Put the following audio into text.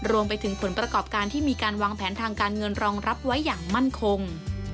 รวมไปถึงผลประกอบการที่มีการวางแผนทางการเงินรองรับไว้อย่างมั่นคง